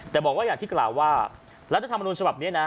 แต่บอกว่าอย่างที่กล่าวว่ารัฐธรรมนุนฉบับนี้นะ